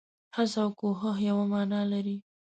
هڅه او کوښښ يوه مانا لري.